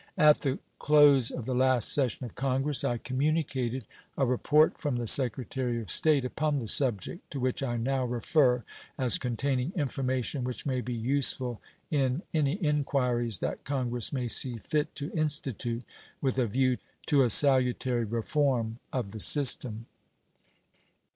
At the close of the last session of Congress I communicated a report from the Secretary of State upon the subject, to which I now refer, as containing information which may be useful in any inquiries that Congress may see fit to institute with a view to a salutary reform of the system.